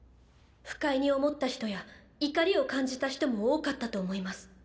不快に思った人や怒りを感じた人も多かったと思います。